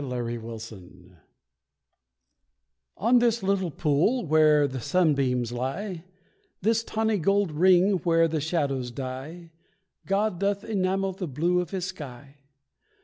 THE LILY POND On this little pool where the sunbeams lie, This tawny gold ring where the shadows die, God doth enamel the blue of His sky.